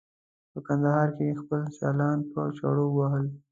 په کندهار کې یې خپل سیالان په چړو وهل.